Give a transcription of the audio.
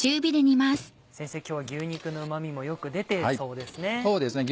先生今日は牛肉のうま味もよく出てそうですね。